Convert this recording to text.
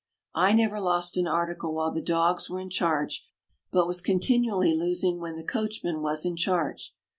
I never lost an article while the dogs were in charge, but was continually losing when the coachman was in charge.